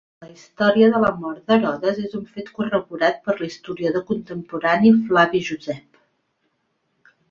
La història de la mort d'Herodes és un fet corroborat per l'historiador contemporani Flavi Josep.